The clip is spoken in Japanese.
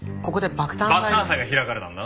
爆誕祭が開かれたんだな？